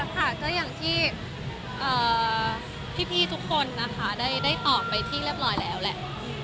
ค่ะก็อย่างที่พี่ทุกคนนะคะได้ตอบไปที่เรียบร้อยแล้วแหละ